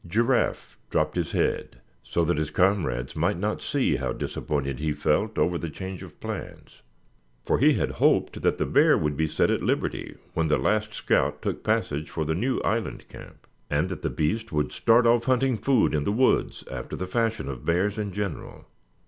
Giraffe dropped his head, so that his comrades might not see how disappointed he felt over the change of plans. For he had hoped that the bear would be set at liberty when the last scout took passage for the new island camp; and that the beast would start off hunting food in the woods after the fashion of bears in general.